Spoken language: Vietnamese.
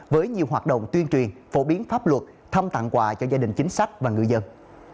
với nhiều hoạt động tuyên truyền phổ biến pháp luật thăm tặng quà cho gia đình chính sách và người dân